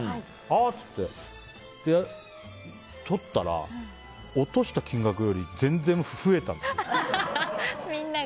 あっ！と思って取ったら落とした金額より全然増えた。